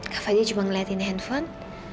kak fadil cuma ngeliatin handphone